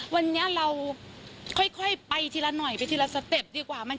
วันนี้เราค่อยไปทีละหน่อยไปทีละสเต็ปดีกว่า